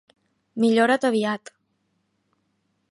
Millora't aviat!